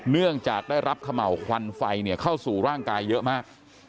เนื่องจากได้รับเขม่าวควันไฟเข้าสู่ร่างกายเยอะมาก